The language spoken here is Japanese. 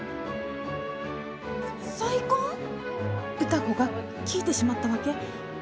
歌子が聞いてしまったわけ。